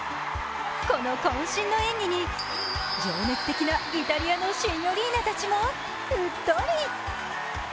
この渾身の演技に情熱的なイタリアのシニョリーナたちもうっとり。